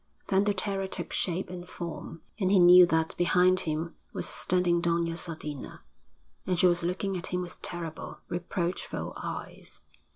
Then the terror took shape and form, and he knew that behind him was standing Doña Sodina, and she was looking at him with terrible, reproachful eyes.